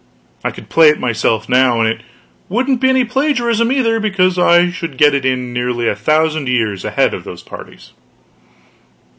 I could play it myself, now, and it wouldn't be any plagiarism, either, because I should get it in nearly a thousand years ahead of those parties.